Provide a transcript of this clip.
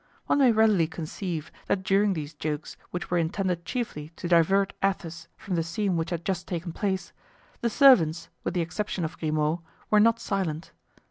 One may readily conceive that during these jokes which were intended chiefly to divert Athos from the scene which had just taken place, the servants, with the exception of Grimaud, were not silent.